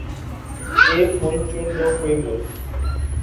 ایک مُلک چُن لو کوئی مُلک